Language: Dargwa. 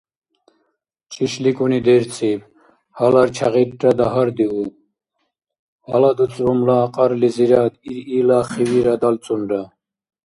ЧӀишликӀуни дерцӀиб, гьалар чягъирра дагьардиуб, гьала дуцӀрумла кьарлизирад ириъла хивира далцӀунра.